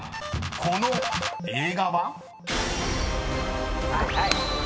［この映画は？］